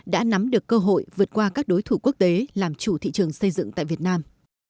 đã nắm được cơ hội vượt qua các đối thủ quốc tế làm chủ thị trường xây dựng tại việt nam